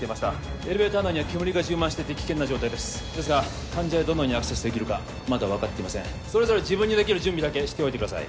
エレベーター内には煙が充満していて危険な状態ですですが患者へどのようにアクセスできるかまだ分かってませんそれぞれ自分にできる準備だけしておいてください